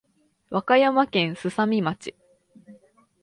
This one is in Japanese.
和歌山県すさみ町